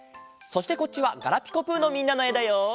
そしてこっちはガラピコぷのみんなのえだよ！